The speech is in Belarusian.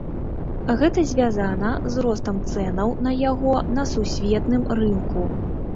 Гэта звязана з ростам цэнаў на яго на сусветным рынку.